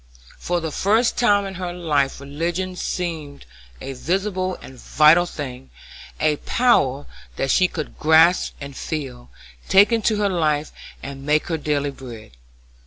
For the first time in her life religion seemed a visible and vital thing; a power that she could grasp and feel, take into her life and make her daily bread.